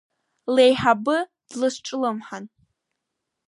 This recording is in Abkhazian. Леиҳабы длызҿлымҳан.